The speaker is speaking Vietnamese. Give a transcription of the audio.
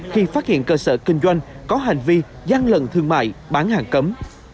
khi phát hiện cơ sở kinh doanh có hành vi gian lận thương mại bán hàng cấm